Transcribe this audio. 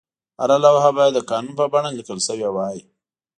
هره لوحه باید د قانون په بڼه لیکل شوې وای.